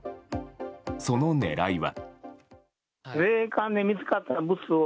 その狙いは。